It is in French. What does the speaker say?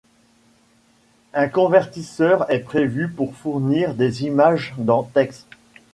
Un convertisseur est prévu pour fournir des images dans TeX.